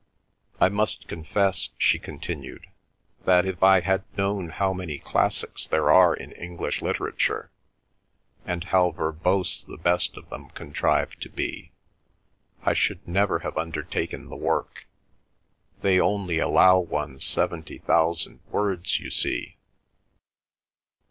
"I must confess," she continued, "that if I had known how many classics there are in English literature, and how verbose the best of them contrive to be, I should never have undertaken the work. They only allow one seventy thousand words, you see."